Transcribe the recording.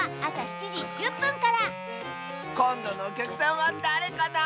こんどのおきゃくさんはだれかな？